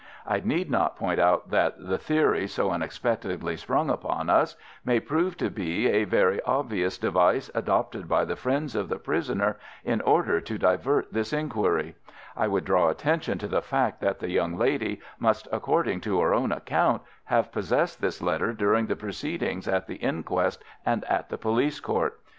I need not point out that the theory so unexpectedly sprung upon us may prove to be a very obvious device adopted by the friends of the prisoner in order to divert this inquiry. I would draw attention to the fact that the young lady must, according to her own account, have possessed this letter during the proceedings at the inquest and at the police court.